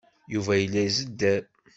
Yuba yella izedder.